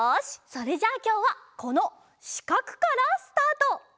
それじゃあきょうはこのしかくからスタート！